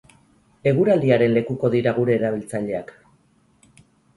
Eguraldiaren lekuko dira gure erabiltzaileak.